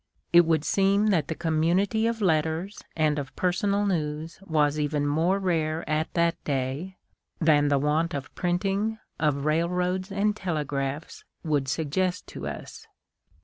It would seem that the community of letters and of personal news was even more rare at that day than the want of printing, of railroads and telegraphs, would suggest to us.